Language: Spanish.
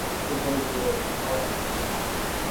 Pudieron existir más cubiertas por enlucidos posteriores.